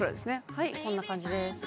はいこんな感じです